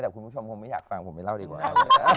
แต่คุณผู้ชมผมไม่อยากฟังผมไปเล่าดีกว่า